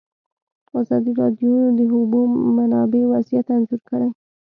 ازادي راډیو د د اوبو منابع وضعیت انځور کړی.